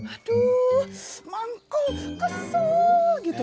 aduh mangkuk kesel gitu